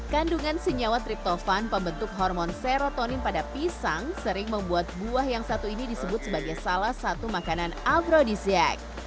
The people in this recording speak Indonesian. kandungan senyawa triptofan pembentuk hormon serotonin pada pisang sering membuat buah yang satu ini disebut sebagai salah satu makanan afrodisiak